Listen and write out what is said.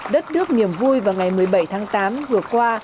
đất nước niềm vui vào ngày một mươi bảy tháng tám vừa qua